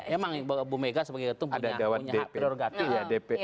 emang ibu mega sebagai ketum punya hp